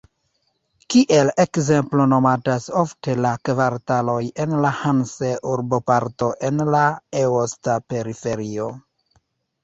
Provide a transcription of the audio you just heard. Kiel ekzemplo nomatas ofte la kvartaloj en la Hanse-urboparto en la eosta periferio.